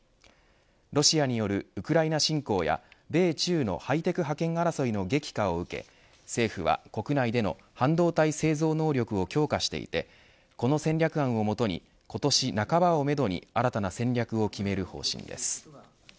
ロシアによるウクライナ侵攻や米中のハイテク覇権争いの激化を受け政府は国内での半導体製造能力を強化していてこの戦略案を元に今年半ばをめどに新たな戦略を決める方針です。